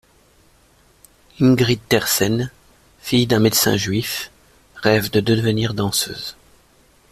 Ingrid Teyrsen: fille d'un médecin juif, rêve de devenir danseuse.